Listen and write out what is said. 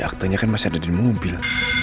aktanya kan masih ada di mobil